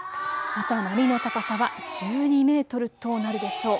また波の高さは１２メートルとなるでしょう。